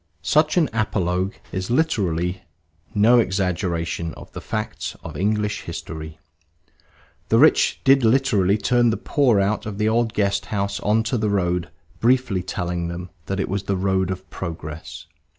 Such an apologue is literally no exaggeration of the facts of English history. The rich did literally turn the poor out of the old guest house on to the road, briefly telling them that it was the road of progress.